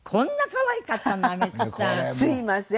すみません。